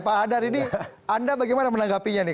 pak hadar ini anda bagaimana menanggapinya nih